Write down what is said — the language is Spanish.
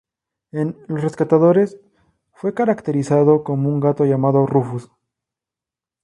En "Los rescatadores", fue caricaturizado como un gato llamado Rufus.